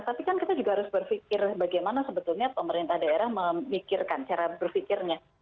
tapi kan kita juga harus berpikir bagaimana sebetulnya pemerintah daerah memikirkan cara berpikirnya